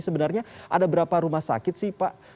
sebenarnya ada berapa rumah sakit sih pak